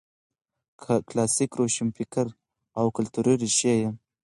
کلاسیک روشنفکر او کلتوري ريښې یې